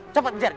cepat ngejar dia